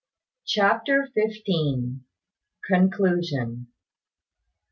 CHAPTER FIFTEEN. CONCLUSION.